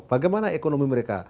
bagaimana ekonomi mereka